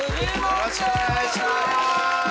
よろしくお願いします